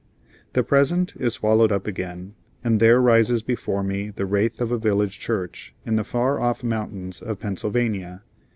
The present is swallowed up again, and there rises before me the wraith of a village church in the far off mountains of Pennsylvania.